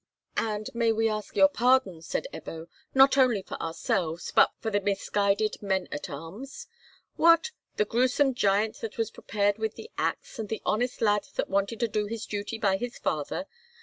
"And may we ask your pardon," said Ebbo, "not only for ourselves, but for the misguided men at arms?" "What! the grewsome giant that was prepared with the axe, and the honest lad that wanted to do his duty by his father?